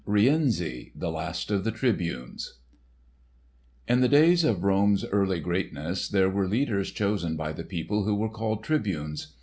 *Rienzi the Last of the Tribunes* (Rienzi) In the days of Rome's early greatness there were leaders chosen by the people who were called Tribunes.